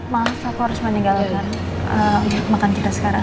ma aku harus menyinggalkan makan kita sekarang